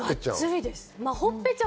ほっぺちゃん。